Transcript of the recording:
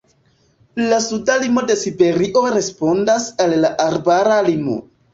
La suda limo de Siberio respondas al la arbara limo.